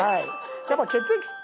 やっぱ血液。